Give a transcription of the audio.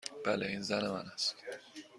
بله. این زن من است.